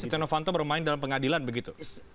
setia novanto bermain dalam pengadilan begitu